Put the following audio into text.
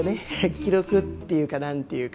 記録って言うかなんて言うか。